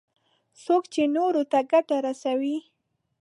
څوک چې نورو ته ګټه رسوي.